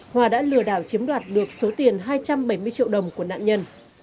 hòa đã lừa đảo chiếm đoạt được số tiền hai trăm bảy mươi triệu đồng của nạn nhân